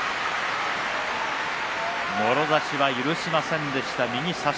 もろ差しは許しませんでした。